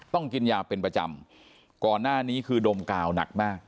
ต้องกินยาเป็นประจำก่อนหน้านี้คือดมกาวหนักมาก